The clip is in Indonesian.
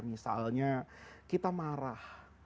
misalnya kita marah